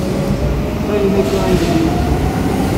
Ayen akka i yedda yid-sen?